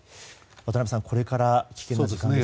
渡辺さん、これから危険ですね。